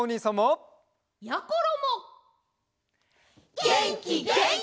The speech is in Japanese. げんきげんき！